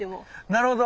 なるほど。